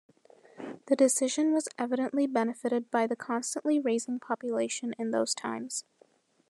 The decision was evidently benefitted by the constantly raising population in those times.